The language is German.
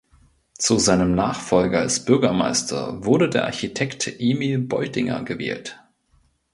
Zu seinem Nachfolger als Bürgermeister wurde der Architekt Emil Beutinger gewählt.